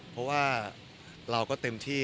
เพราะว่าเราก็เต็มที่